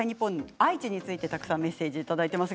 愛知についてたくさんメッセージいただきました。